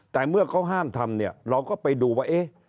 แต่เมื่อเขาห้ามทำเราก็ไปดูว่า